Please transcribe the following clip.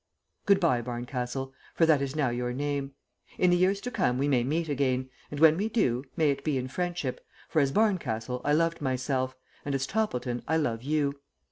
"Good bye, Barncastle, for that is now your name. In the years to come we may meet again, and when we do, may it be in friendship, for as Barncastle I loved myself, and as Toppleton I love you.